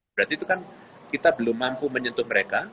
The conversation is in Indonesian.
berarti itu kan kita belum mampu menyentuh mereka